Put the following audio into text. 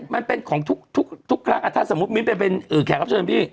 มันเป็นของทุกครั้งถ้าสมมุติมีแขกรับเชิญพี่